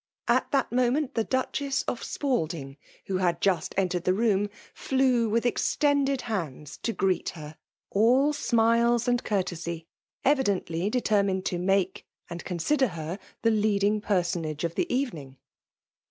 At that moment, the Duchess cf Spalding, who had just entered the room, flew with extended hands to greet her, — all FEMALB DOKINATION. 193 smilea and courtesy^*— evidently detennined ta make and consider her the leading personagci of the evening.